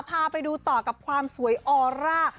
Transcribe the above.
พาไปดูต่อกับความสวยออร่า